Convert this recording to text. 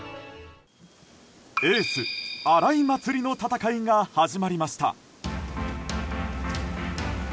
エース、荒井祭里の戦いが始まりました。